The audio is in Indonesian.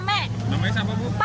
namanya siapa bu